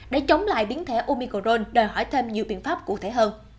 để chống lại biến thể omicron đòi hỏi thêm nhiều biện pháp cụ thể hơn